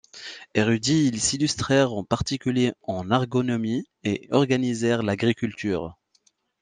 Érudits, ils s'illustrèrent en particulier en agronomie et organisèrent l'agriculture.